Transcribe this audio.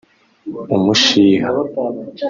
umushiha